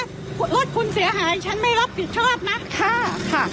ถ้ารถคุณเสียหายฉันไม่รับผิดชอบนะค่ะค่ะค่ะ